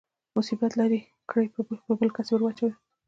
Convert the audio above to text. مصیبت لرې کړي په بل کس يې ورواچوي.